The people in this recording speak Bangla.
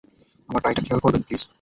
আমার টাইটা খেয়াল করবেন, প্লিজ?